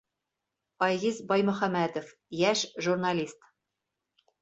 Айгиз Баймөхәмәтов, йәш журналист: